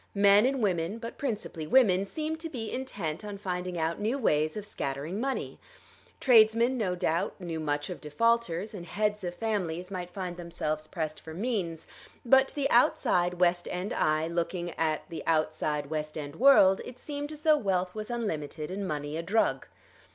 Men and women, but principally women, seemed to be intent on finding out new ways of scattering money. Tradesmen no doubt knew much of defaulters, and heads of families might find themselves pressed for means; but to the outside west end eye looking at the outside west end world it seemed as though wealth was unlimited and money a drug.